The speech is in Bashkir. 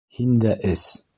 Һин дә эс.